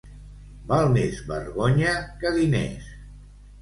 Val més vergonya que diners.